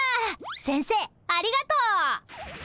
先生ありがとう。